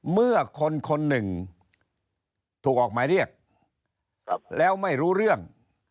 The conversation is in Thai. เมื่อคน๑ถูกออกมาเรียกแล้วไม่รู้เรื่อง